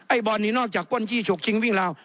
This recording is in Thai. ไอ้บ่อนนี่นอกจากก้นจี้โฉกชิงวิ่งราว